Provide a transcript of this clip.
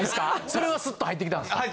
それはスッと入ってきたんですか？